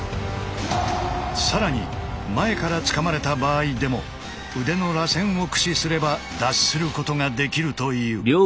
更に前からつかまれた場合でも腕の螺旋を駆使すれば脱することができるという。